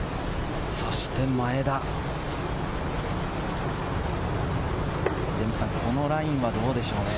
そして前田、秀道さん、このラインはどうでしょう？